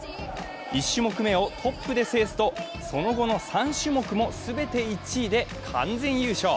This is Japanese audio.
１種目めをトップで制すと、その後の３種目も全て１位で完全優勝。